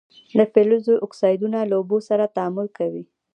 د فلزونو اکسایدونه له اوبو سره تعامل کوي.